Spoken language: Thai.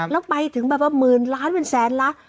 แล้วไปถึงหมื่นล้านวันแสนล้ะ